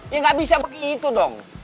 ya nggak bisa begitu dong